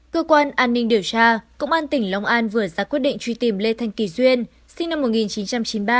cơ quan an ninh điều tra công an tỉnh long an vừa ra quyết định truy tìm lê thanh kỳ duyên sinh năm một nghìn chín trăm chín mươi ba